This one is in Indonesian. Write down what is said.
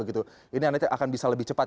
ini nanti akan bisa lebih cepat